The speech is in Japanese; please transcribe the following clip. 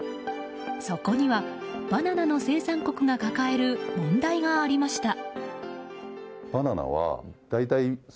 そこにはバナナの生産国が抱える問題がありました。